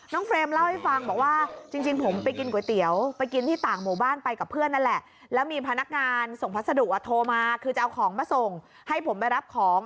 เฟรมเล่าให้ฟังบอกว่าจริงผมไปกินก๋วยเตี๋ยวไปกินที่ต่างหมู่บ้านไปกับเพื่อนนั่นแหละแล้วมีพนักงานส่งพัสดุอ่ะโทรมาคือจะเอาของมาส่งให้ผมไปรับของ